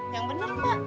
yang bener mbak